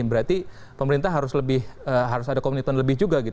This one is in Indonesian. berarti pemerintah harus ada komitmen lebih juga